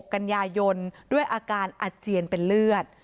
กันยายนด้วยอาการอาเจียนเป็นเลือด